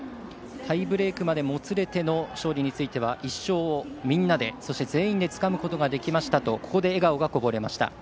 タイブレークまでもつれての勝利については１勝をみんなで、そして全員でつかむことができましたとここで笑顔がこぼれました。